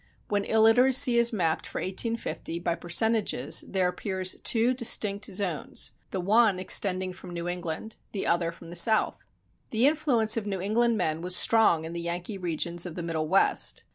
When illiteracy is mapped for 1850 by percentages there appears two distinct zones, the one extending from New England, the other from the South. The influence of New England men was strong in the Yankee regions of the Middle West.